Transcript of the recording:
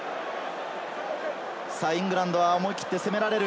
イングランドは思い切って攻められる。